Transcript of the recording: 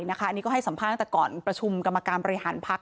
อันนี้ก็ให้สัมภาษณ์ตั้งแต่ก่อนประชุมกรรมการบริหารพัก